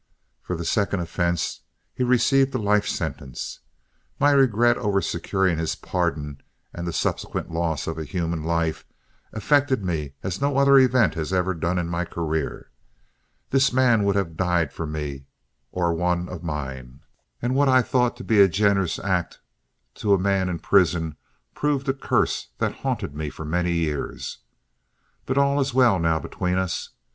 For the second offense he received a life sentence. My regret over securing his pardon, and the subsequent loss of human life, affected me as no other event has ever done in my career. This man would have died for me or one of mine, and what I thought to be a generous act to a man in prison proved a curse that haunted me for many years. But all is well now between us.